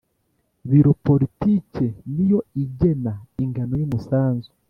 Biro politiki niyo igena ingano y umusanzu